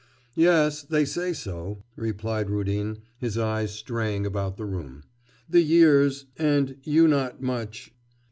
'Yes, they say so!' replied Rudin, his eyes straying about the room. 'The years... and you not much.